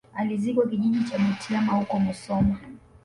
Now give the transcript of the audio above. Alizikwa kijiji cha Butiama huko musoma